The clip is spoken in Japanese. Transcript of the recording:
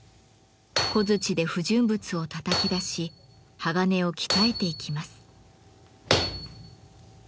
小づちで不純物をたたき出し鋼を鍛えていきます。